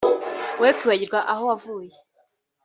we kwibagirwa aho wavuye